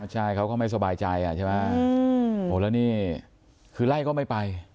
ใช่เขาก็ไม่สบายใจใช่ไหมแล้วนี่คือไล่ก็ไม่ไป